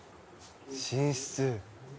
寝室。